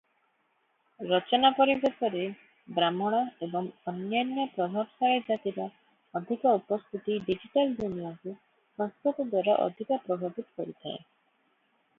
ରଚନା ପରିବେଶରେ ବ୍ରାହ୍ମଣ ଏବଂ ଅନ୍ୟାନ୍ୟ ପ୍ରଭାବଶାଳୀ ଜାତିର ଅଧିକ ଉପସ୍ଥିତି ଡିଜିଟାଲ ଦୁନିଆକୁ ସଂସ୍କୃତ ଦ୍ୱାରା ଅଧିକ ପ୍ରଭାବିତ କରିଥାଏ ।